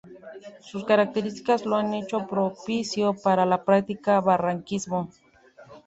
Sus características lo han hecho propicio para la práctica de barranquismo.